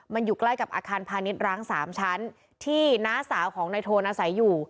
มันอยู่ใกล้กับอาคารพาณิชย์ร้าง๓ชั้นที่น้าสาวของนายโทนอาศัยอยู่